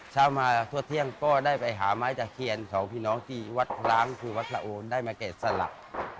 เช้ามาทั่วเที่ยงก็ได้ไปหาไม้ตะเคียนสองพี่น้องที่วัดล้างคือวัดสะโอนได้มาแกะสลัก